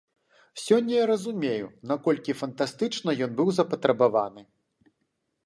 Сёння я разумею, наколькі фантастычна ён быў запатрабаваны.